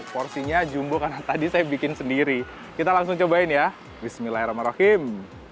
porsinya jumbo karena tadi saya bikin sendiri kita langsung cobain ya bismillahirrahmanirrahim